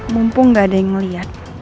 mumpung gak ada yang melihat